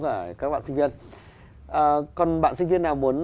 mời bạn cho em